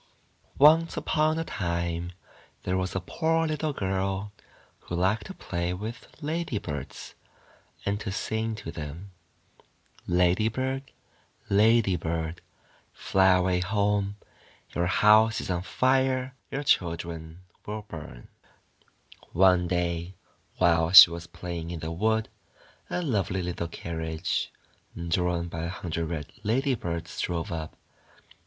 Folktale , ONCE upon a time, there was a poor little girl, who liked to play with Ladybirds, and to sing to them :— 1 Ladybird, Ladybird, fly away home, Your house is on fire, your children will burn* One day while she was playing in the wood, a lovely little carriage, drawn by a hundred red Ladybirds drove up.